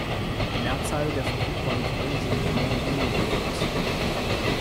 Die Mehrzahl der verfügbaren Rollen sind "non-union roles".